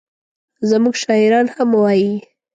زموږ شاعران هم وایي.